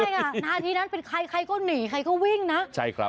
ใช่นาทีนั้นเป็นใครก็หนีใครก็วิ่งนะ